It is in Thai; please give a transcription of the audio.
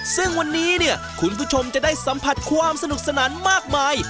ซึ่งวันนี้เนี่ยคุณผู้ชมจะได้สัมผัสความสนุกสนานมากมาย